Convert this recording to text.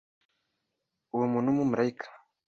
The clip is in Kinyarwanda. uwo muntu w’Umumarayika